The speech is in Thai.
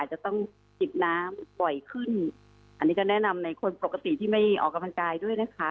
อันนี้จะแนะนำในคนปกติที่ไม่ออกกำลังกายด้วยนะคะ